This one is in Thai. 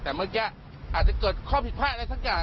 แต่เมื่อกี้อาจจะเกิดข้อผิดพลาดอะไรสักอย่าง